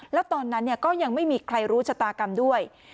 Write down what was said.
แล้วตอนนั้นก็ยังไม่มีใครรู้ชะตากรรมด้วย